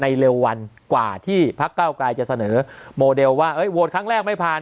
เร็ววันกว่าที่พักเก้าไกรจะเสนอโมเดลว่าโหวตครั้งแรกไม่ผ่าน